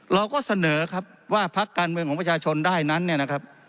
เราก็เสนอครับว่าพักการเมืองของประชาชนได้นั้นเนี่ยนะครับ